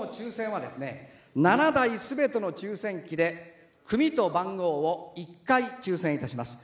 ７台すべての抽せん機で組と番号を１回、抽せんいたします。